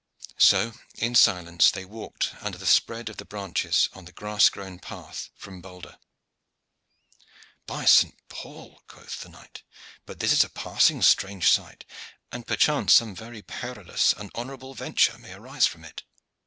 So in silence they walked under the spread of the branches on the grass grown path from Boldre. "By St. Paul!" quoth the knight, "but this is a passing strange sight, and perchance some very perilous and honorable venture may arise from it.